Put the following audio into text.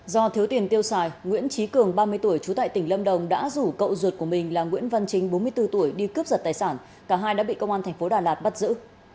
do thiếu tiền tiêu xài nguyễn trí cường ba mươi tuổi trú tại tỉnh lâm đồng đã rủ cậu ruột của mình là nguyễn văn chính bốn mươi bốn tuổi đi cướp giật tài sản cả hai đã bị công an thành phố đà lạt bắt giữ